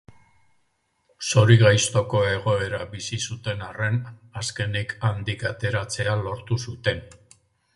Zorigaiztoko egoera bizi zuten arren, azkenik handik ateratzea lortu zuten.